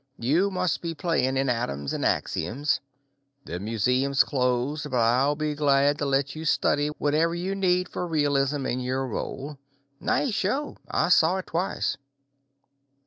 You must be playing in 'Atoms and Axioms.' The museum's closed, but I'll be glad to let you study whatever you need for realism in your role. Nice show. I saw it twice."